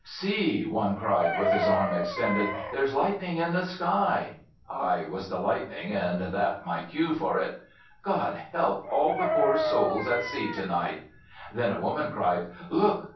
"See," one cried with his arm extended, "there is lightning in yon sky." (I was the lightning and that my cue for it): "God help all the poor souls at sea to night!" Then a woman cried, "Look!